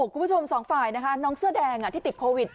คุณผู้ชมสองฝ่ายนะคะน้องเสื้อแดงที่ติดโควิด